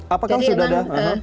apakah sudah ada